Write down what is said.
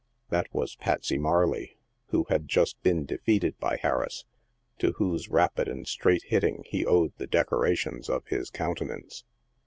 That was Patsey Marley, who had just been defeated by Harris, to whose rapid and straight hitting he owed the decora tions of his countenance.